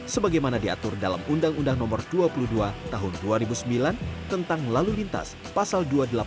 sebagaimana diatur dalam undang undang nomor dua puluh dua tahun dua ribu sembilan tentang lalu lintas pasal dua ratus delapan puluh